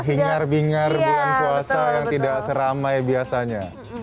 hingar bingar bulan puasa yang tidak seramai biasanya